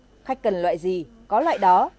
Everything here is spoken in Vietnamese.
các mẫu giấy khác nhau khách cần loại gì có loại đó